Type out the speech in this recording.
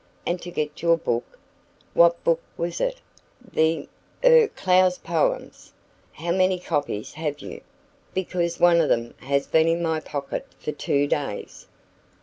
"And to get your book. What book was it?" "The er Clough's poems." "How many copies have you? because one of them has been in my pocket for two days."